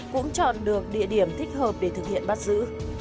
cũng chọn được địa điểm thích hợp để thực hiện bắt giữ